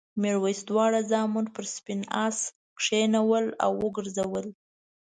میرويس دواړه زامن پر سپین آس کېنول او وګرځول.